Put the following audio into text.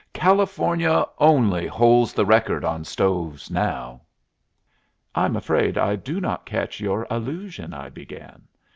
California only holds the record on stoves now." "I'm afraid I do not catch your allusion," I began.